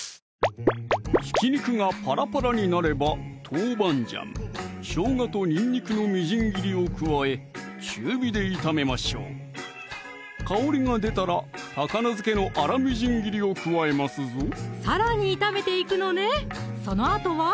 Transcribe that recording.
ひき肉がパラパラになれば豆板醤・しょうがとにんにくのみじん切りを加え中火で炒めましょう香りが出たら高菜漬けの粗みじん切りを加えますぞさらに炒めていくのねそのあとは？